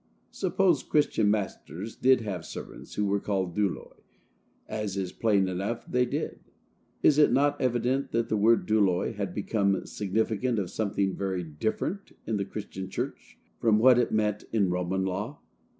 Suppose Christian masters did have servants who were called douloi, as is plain enough they did, is it not evident that the word douloi had become significant of something very different in the Christian church from what it meant in Roman law?